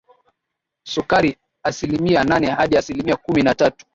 sukari asilimia nane hadi asilimia kumi na tatu